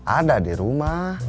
ada di rumah